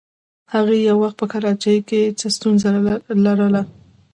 هغې یو وخت په کراچۍ کې څه ستونزه لرله.